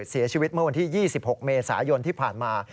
เสียชีวิตเมื่อวันที่๒๖เมษายนที่ผ่านมา